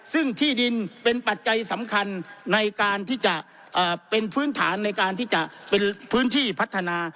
ซึ่งที่ดินเป็นปัจจัยสำคัญในการที่จะเป็นพื้นฐานในการที่จะเป็นพื้นที่พัฒนา